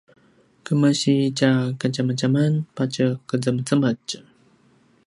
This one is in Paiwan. kemasitja kadjamadjaman patje qezemezemetj